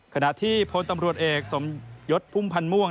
ขณะที่พลตำรวจเอกสมยศพุ่มพันธ์ม่วง